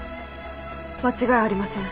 間違いありません。